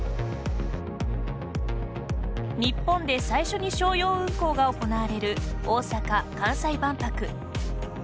日本で最初に商用運航が行われる大阪・関西万博。